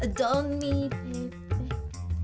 kok gerakannya begitu sih bung elfries